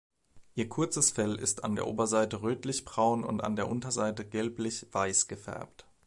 Ihr kurzes Fell ist an der Oberseite rötlichbraun und an der Unterseite gelblich-weiß gefärbt.